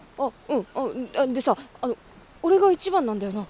うんでさあの俺が一番なんだよな？